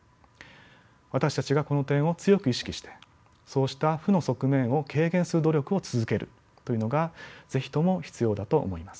私たちがこの点を強く意識してそうした負の側面を軽減する努力を続けるというのが是非とも必要だと思います。